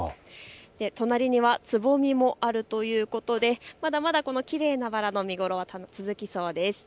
隣にはつぼみもあるということでまだまだこのきれいなバラの見頃は続きそうです。